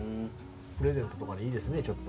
プレゼントとかにいいですねちょっと。